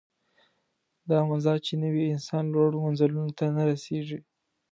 دا مزاج چې نه وي، انسان لوړو منزلونو ته نه رسېږي.